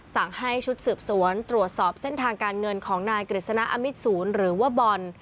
สั่งให้ชุดสืบสวนตรวจสอบเส้นทางการเงินของนายกฤษณะอมิตศูนย์หรือว่าบอล